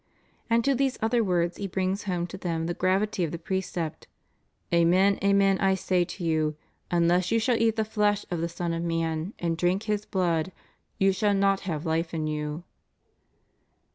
* And in these other words He brings home to them the gravity of the precept: Amen, amen, I say to you, unless you shall eat the flesh of the Son of man and drink His blood, you shall not have life in you.